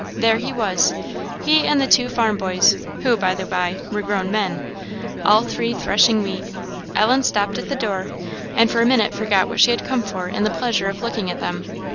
There he was, he and the two farm boys (who, by the by, were grown men), all three threshing wheat. Ellen stopped at the door, and for a minute forgot what she had come for in the pleasure of looking at them.